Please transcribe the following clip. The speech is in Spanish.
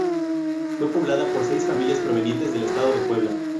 Fue poblada por seis familias provenientes del estado de Puebla.